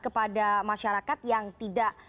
kepada masyarakat yang tidak